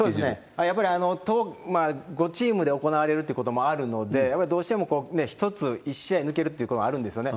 やっぱり５チームで行われるっていうこともあるので、やっぱりどうしても一つ、１試合抜けるということもあるんですよね。